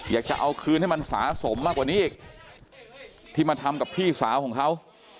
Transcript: อยากจะเอาคืนให้มันสะสมมากกว่านี้อีกที่มาทำกับพี่สาวของเขา